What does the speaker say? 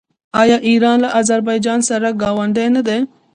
آیا ایران له اذربایجان سره ګاونډی نه دی؟